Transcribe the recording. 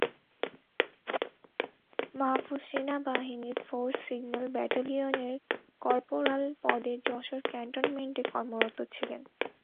মাহফুজ সেনাবাহিনীর force signal ব্যাটালিয়নের corporal পদে যশোর ক্যান্টনমেন্টে কর্মরত ছিলেন।